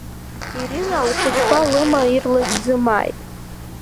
Ирина, лхәыҷқәа лыма, ирлас дзымааит.